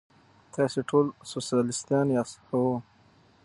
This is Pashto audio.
تاسې ټول سوسیالیستان یاست؟ هو.